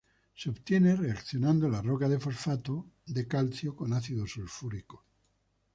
Se obtiene reaccionando la roca de fosfato de calcio con ácido sulfúrico.